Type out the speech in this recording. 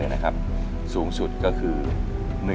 อยู่เพื่อพ่อ